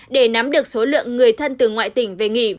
để nắm được số lượng người thân từ ngoại tỉnh về nghỉ